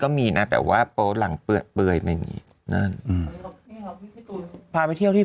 ก็มีน่ะแต่ว่าหลังเปลือกเปลือยไปนี่นั่นนี่ครับพี่ตูนพาไปเที่ยวที่